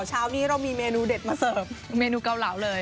เช้านี้เรามีเมนูเด็ดมาเสิร์ฟเมนูเกาเหลาเลย